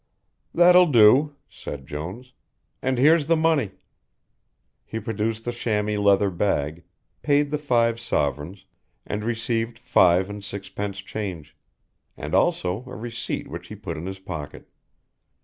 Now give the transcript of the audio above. "That'll do," said Jones, "and here's the money." He produced the chamois leather bag, paid the five sovereigns, and received five and sixpence change and also a receipt which he put in his pocket.